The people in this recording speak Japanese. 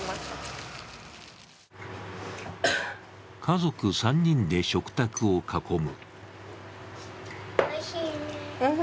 家族３人で食卓を囲む。